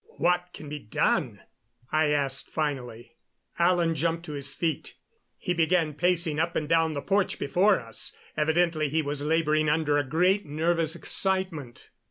"What can be done?" I asked finally. Alan jumped to his feet. He began pacing up and down the porch before us; evidently he was laboring under a great nervous excitement.